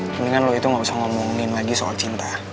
mendingan lo itu enggak usah ngomongin lagi soal cinta